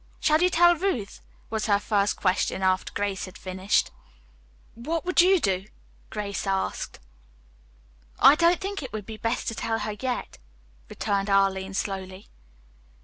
"Shall you tell Ruth?" was her first question after Grace had finished. "What would you do?" Grace asked. "I don't think it would be best to tell her yet," returned Arline slowly.